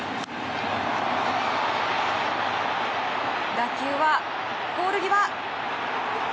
打球はポール際。